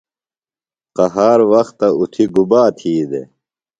قہار وختہ اُتھیۡ گُبا تھی دےۡ؟